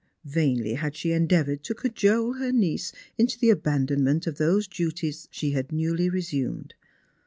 Vainly had she en deavoured to cajole her niece into the abandonment of those duties she had newly resumed.